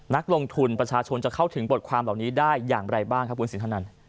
นักลงทุนประชาชนจะเข้าถึงบทความเหล่านี้ได้อย่างไรบ้างครับคุณสินทนัน